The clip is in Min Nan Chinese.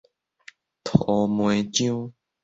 塗糜漿